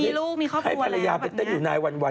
มีลูกมีครอบครัวแล้วอย่างนั้นนะตอนนี้ให้แฟรรียาเต็นอยู่นายวันไง